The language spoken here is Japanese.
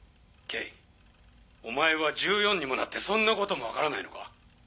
恵お前は１４にもなってそんなことも分からないのか。